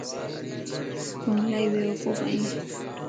تون الائي بيوقوف ائين